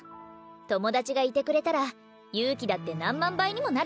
友達がいてくれたら勇気だって何万倍にもなるわ。